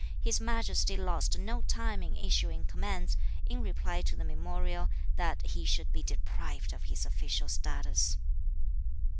His Majesty lost no time in issuing commands, in reply to the Memorial, that he should be deprived of his official status.